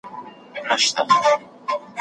افغانانو د خپلو وسلو کارونې کې مهارت وښود.